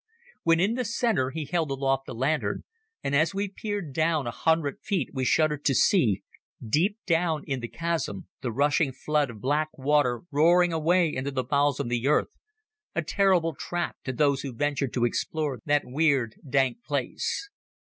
When in the centre, he held aloft the lantern, and as we peered down a hundred feet we shuddered to see, deep down in the chasm, the rushing flood of black water roaring away into the bowels of the earth, a terrible trap to those who ventured to explore that weird, dank place.